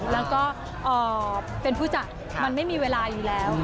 แล้วก็เป็นผู้จัดมันไม่มีเวลาอยู่แล้ว